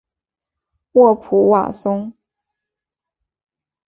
沃普瓦松。